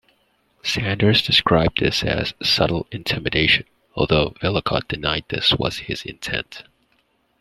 Sanders described this as subtle intimidation, although Vellacott denied this was his intent.